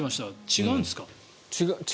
違うんですか？